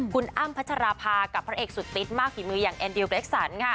คุณอ้ำพัชราภากับพระเอกสุดติ๊ดมากฝีมืออย่างแอนดิวเกร็กซันค่ะ